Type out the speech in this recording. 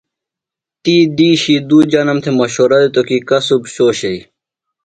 تی دِیشی دُو جانم تھے مشورہ دِتو کی کسُب شو شئی۔